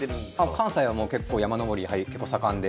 関西はもう結構山登り結構盛んで。